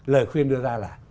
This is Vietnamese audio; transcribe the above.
lời khuyên đưa ra là